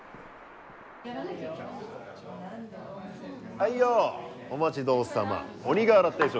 はいよお待ち遠さま鬼瓦定食。